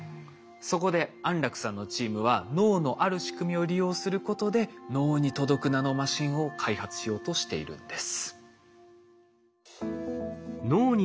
そこで安楽さんのチームは脳のある仕組みを利用することで脳に届くナノマシンを開発しようとしているんです。